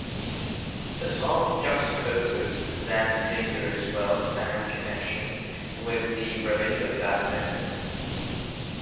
The song juxtaposes Zantzinger's wealth and connections with the brevity of that sentence.